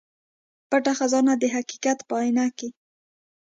پټه خزانه د حقيقت په اينه کې